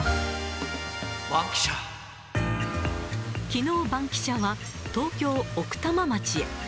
きのう、バンキシャは東京・奥多摩町へ。